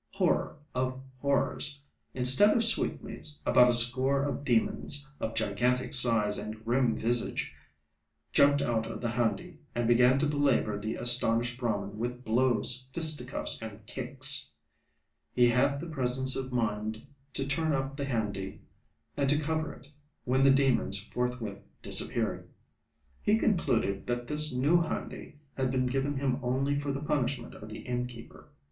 Horror of horrors! instead of sweetmeats about a score of demons, of gigantic size and grim visage, jumped out of the handi, and began to belabour the astonished Brahman with blows, fisticuffs and kicks. He had the presence of mind to turn up the handi and to cover it, when the demons forthwith disappeared. He concluded that this new handi had been given him only for the punishment of the innkeeper.